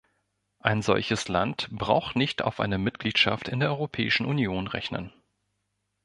Ein solches Land braucht nicht auf eine Mitgliedschaft in der Europäischen Union rechnen.